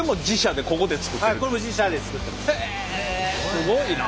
すごいな！